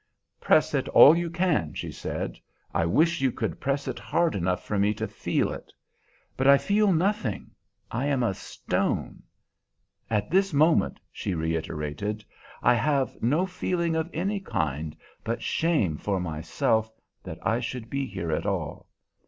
"Press it all you can," she said. "I wish you could press it hard enough for me to feel it; but I feel nothing I am a stone. At this moment," she reiterated, "I have no feeling of any kind but shame for myself that I should be here at all.